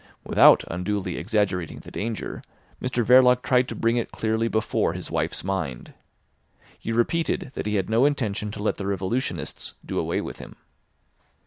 Without unduly exaggerating the danger, Mr Verloc tried to bring it clearly before his wife's mind. He repeated that he had no intention to let the revolutionists do away with him.